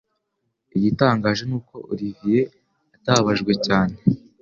Igitangaje nuko Olivier atababajwe cyane